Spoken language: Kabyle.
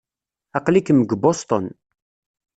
Aql-ikem deg Boston.